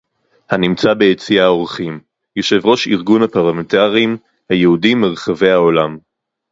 הנמצא ביציע האורחים; יושב-ראש ארגון הפרלמנטרים היהודים מרחבי העולם